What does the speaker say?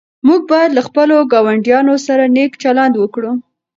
موږ باید له خپلو ګاونډیانو سره نېک چلند وکړو.